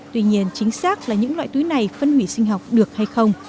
tuy nhiên chính xác là những loại túi này phân hủy sinh học được hay không